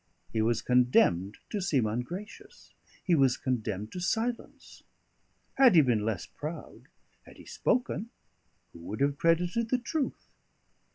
He was condemned to seem ungracious. He was condemned to silence. Had he been less proud, had he spoken, who would have credited the truth?